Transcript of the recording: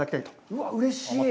うわぁ、うれしい。